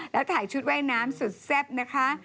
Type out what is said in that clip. แล้วถ่ายชุดว่ายน้ำสุดแซ่บนะคะ